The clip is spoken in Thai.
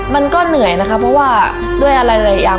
มันก็เหนื่อยนะคะเพราะว่าด้วยอะไรหลายอย่าง